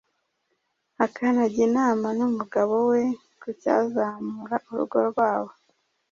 akanajya inama n’umugabo we ku cyazamura urugo rwabo.